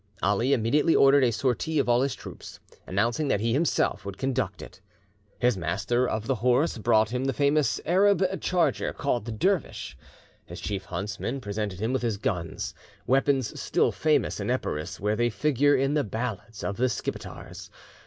Ali immediately ordered a sortie of all his troops, announcing that he himself would conduct it. His master of the horse brought him the famous Arab charger called the Dervish, his chief huntsman presented him with his guns, weapons still famous in Epirus, where they figure in the ballads of the Skipetars.